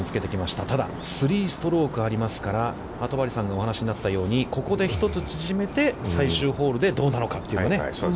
ただ、３ストロークありますから、戸張さんのお話しになったようにここで一つ縮めて最終ホールでどうなのか。